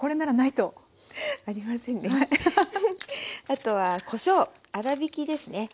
あとはこしょう粗びきですね。